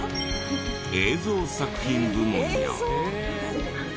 映像作品部門や。